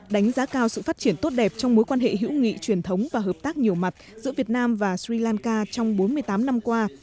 đánh giá cao sự phát triển tốt đẹp trong mối quan hệ hữu nghị truyền thống và hợp tác nhiều mặt giữa việt nam và sri lanka trong bốn mươi tám năm qua